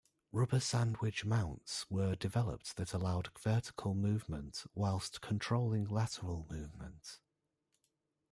Rubber sandwich mounts were developed that allowed vertical movement whilst controlling lateral movement.